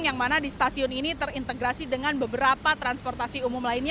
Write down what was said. yang mana di stasiun ini terintegrasi dengan beberapa transportasi umum lainnya